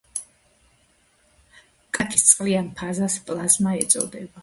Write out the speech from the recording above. კარაქის წყლიან ფაზას პლაზმა ეწოდება.